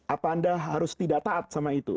apa anda harus tidak taat sama itu